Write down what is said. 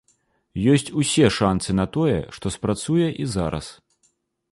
Ёсць усе шанцы на тое, што спрацуе і зараз.